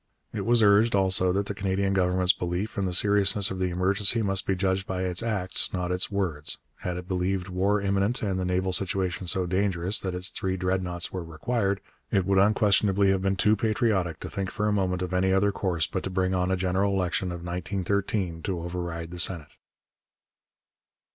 It was urged, also, that the Canadian Government's belief in the seriousness of the emergency must be judged by its acts, not its words. Had it believed war imminent and the naval situation so dangerous that its three Dreadnoughts were required, it would unquestionably have been too patriotic to think for a moment of any other course but to bring on a general election in 1913 to override the Senate.